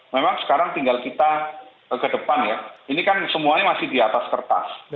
memang sekarang tinggal kita ke depan ya ini kan semuanya masih di atas kertas